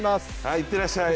いってらっしゃい。